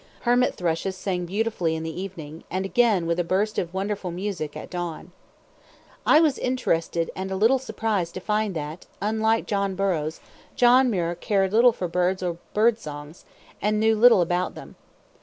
Hermit thrushes sang beautifully in the evening, and again, with a burst of wonderful music, at dawn. I was interested and a little surprised to find that, unlike John Burroughs, John Muir cared little for birds or bird songs, and knew little about them.